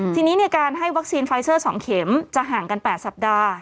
ทีนี้การให้วัคซีนไฟเซอร์๒เข็มจะห่างกัน๘สัปดาห์